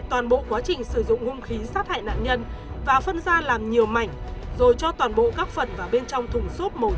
các loại nạn nhân và phân ra làm nhiều mảnh rồi cho toàn bộ các phần và bên trong thùng xốp màu